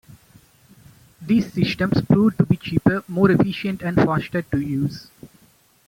These systems proved to be cheaper, more efficient and faster to use.